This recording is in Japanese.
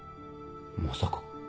まさか。